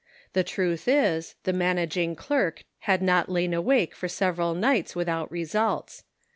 The truth is, the " managing clerk " had not lain awake for several nights without results.